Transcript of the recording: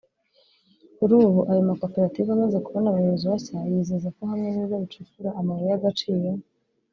Kuri ubu ayo makoperative amaze kubona abayobozi bashya yizeza ko hamwe n’ibigo bicukura amabuye y’agaciro